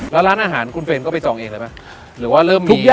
แล้วร้านอาหารคุณเฟนจะไปจองเองได้ไหม